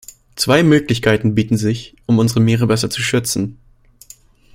Zwei Möglichkeiten bieten sich, um unsere Meere besser zu schützen.